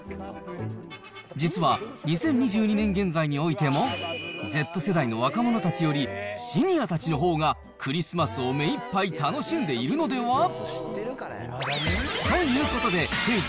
実は２０２２年現在においても、Ｚ世代の若者たちより、シニアたちのほうがクリスマスを目いっぱい楽しんでいるのでは？ということで、クイズ！